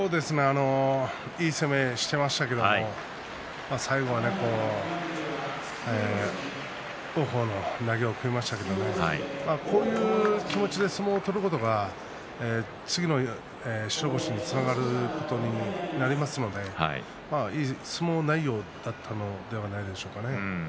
いい攻めをしていましたけれど最後は王鵬の投げを食いましたけれどこういう気持ちで相撲を取ることが次の白星につながることになりますのでいい相撲内容だったんではないですかね。